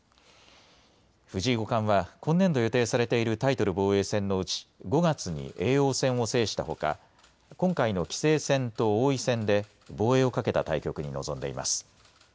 藤井五冠は今年度予定されているタイトル防衛戦のうち５月に叡王戦を制したほか今回の棋聖戦と王位戦で防衛をかけた対局に臨んでいます。